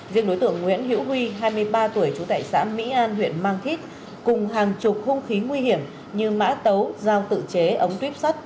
riêng đối tượng nguyễn hiễu huy hai mươi ba tuổi trú tại xã mỹ an huyện mang thít cùng hàng chục hung khí nguy hiểm như mã tấu dao tự chế ống tuyếp sắt